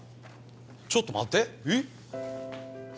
ちょっと待ってえっ？